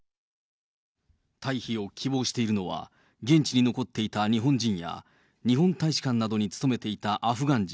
退避を希望しているのは、現地に残っていた日本人や、日本大使館などに勤めていたアフガン人